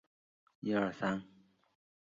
县治奥斯威戈和普瓦斯基。